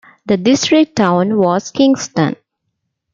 The district town was Kingston.